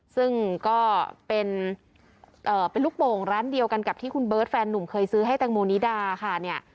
ซึ่งก็เป็นลูกโป่งร้านเดียวกันกับที่คุณเบิร์ตแฟนหนุ่มเคยซื้อให้แตงโมนิดาค่ะเนี่ย